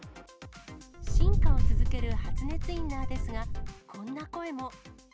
進化を続ける発熱インナーですが、こんな声も。